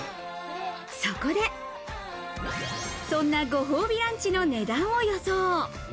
そこで、そんなご褒美ランチの値段を予想。